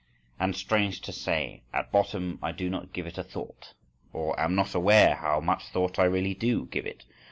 —And, strange to say, at bottom I do not give it a thought, or am not aware how much thought I really do give it.